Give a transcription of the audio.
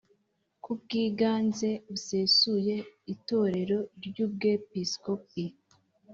k ubwiganze busesuye Itorero ry Ubwepiskopi